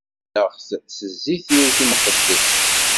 Dehneɣ-t s zzit-iw timqeddest.